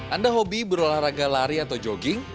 anda hobi berolahraga lari atau jogging